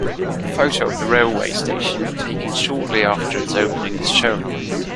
A photo of the railway station taken shortly after its opening is shown.